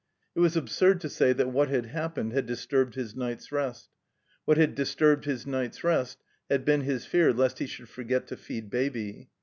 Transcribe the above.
It was absurd to say that what had happened had disturbed his night's rest. What had disturbed his night's rest had been his fear lest he should forget to feed Baby.